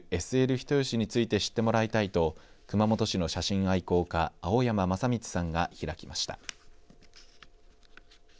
人吉について知ってもらいたいと熊本県の写真愛好家青山昌充さんが開きました。